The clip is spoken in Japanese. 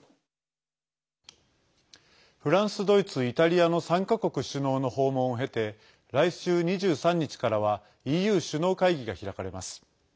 フランス、ドイツ、イタリアの３か国首脳の訪問を経て来週２３日からはＥＵ首脳会議が開かれます。